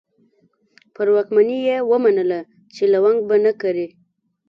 پر واکمنانو یې ومنله چې لونګ به نه کري.